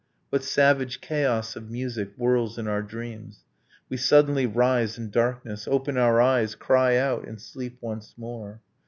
What savage chaos of music Whirls in our dreams? We suddenly rise in darkness, Open our eyes, cry out, and sleep once more.